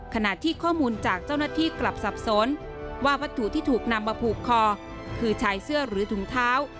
ขณะที่ข้อมูลจากเจ้าหน้าที่กลับสับสนว่าวัตถุที่ถูกนำมาผูกคอคือชายเสื้อหรือถุงเท้า